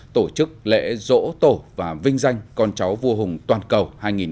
tổ chức lễ dỗ tổ và vinh danh con cháu vua hùng toàn cầu hai nghìn hai mươi bốn